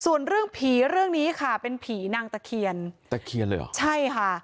ส่วนเรื่องผีเรื่องนี้ค่ะเป็นผีนางตะเคียนตะเคียนเลยเหรอใช่ค่ะ